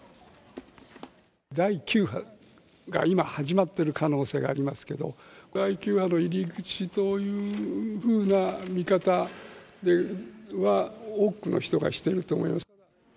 第９波が今始まってる可能性がありますけど、第９波の入り口というふうな見方は、多くの人がしていると思います。